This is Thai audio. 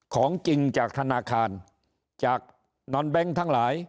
ของจริงจากธนาคารจากนอนแบงค์ทั้งหลาย